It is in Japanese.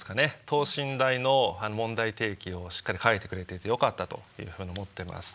等身大の問題提起をしっかり書いてくれていてよかったというふうに思ってます。